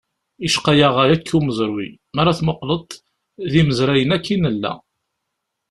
Yecqa-yaɣ akk umezruy, mara tmuqleḍ, d imezrayen akk i nella.